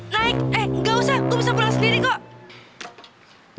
naik eh nggak usah gue bisa pulang sendiri kok